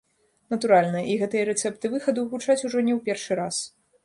Натуральна, і гэтыя рэцэпты выхаду гучаць ужо не ў першы раз.